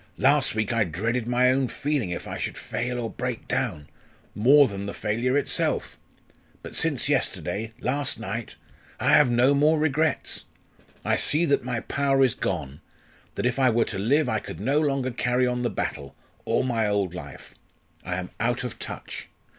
"Last week I dreaded my own feeling if I should fail or break down more than the failure itself. But since yesterday last night I have no more regrets. I see that my power is gone that if I were to live I could no longer carry on the battle or my old life. I am out of touch.